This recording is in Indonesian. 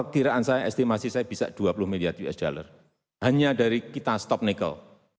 kiraan saya estimasi saya bisa dua puluh miliar usd hanya dari kita stop nikel